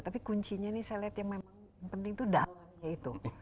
tapi kuncinya ini saya lihat yang memang penting itu dalangnya itu